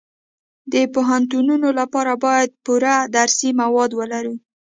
د پوهنتونونو لپاره باید پوره درسي مواد ولرو